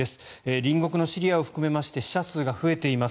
隣国のシリアを含めまして死者数が増えています。